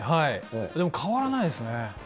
でも変わらないですね。